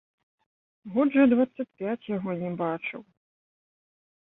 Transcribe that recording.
Год жа дваццаць пяць яго не бачыў.